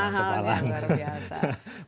mahalnya luar biasa